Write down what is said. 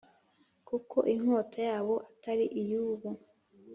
Kuko inkota yabo Atari iyubu